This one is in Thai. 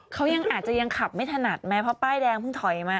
เขายังขับไม่ถนัดไหมเพราะป้ายแดงเพิ่งถอยมา